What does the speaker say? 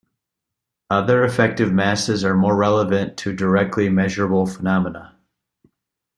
Other effective masses are more relevant to directly measurable phenomena.